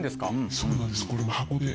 そうなんですこれ。